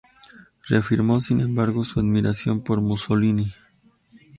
Reafirmó sin embargo su admiración por Mussolini.